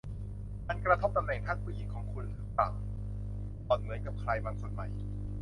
มันกระทบตำแหน่งท่านผู้หญิงของคุณหรือเปล่า หล่อนเหมือนกับใครบางคนไหม